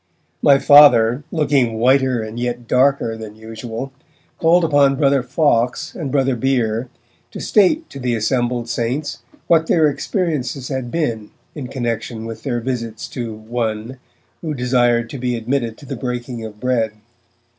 My Father, looking whiter and yet darker than usual, called upon Brother Fawkes and Brother Bere to state to the assembled saints what their experiences had been in connexion with their visits to 'one' who desired to be admitted to the breaking of bread.